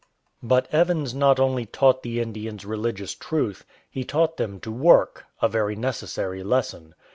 BALLANTYNE But Evans not only taught the Indians religious truth, he taught them to work — a very necessary lesson.